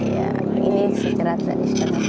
iya ini secerah cerah